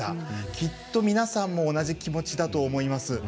きっと皆さんも同じ気持ちだと思います。